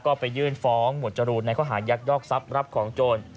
ก็ไปยื่นฟ้องหมวดจรูนในข้อหายักยอกทรัพย์รับของโจร